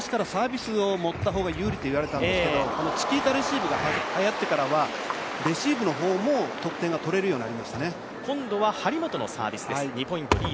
卓球は昔からサービスを持った方が有利といわれていたんですがチキータレシーブがはやってからはレシーブの方も得点が取れるようになりましたね。